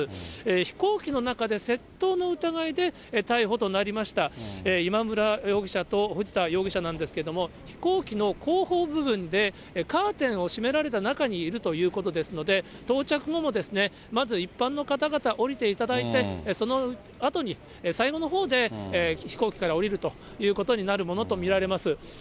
飛行機の中で窃盗の疑いで逮捕となりました、今村容疑者と藤田容疑者なんですけれども、飛行機の後方部分でカーテンを閉められた中にいるということですので、到着後もまず一般の方々、降りていただいて、そのあとに、最後のほうで飛行機から降りるということになると見られます。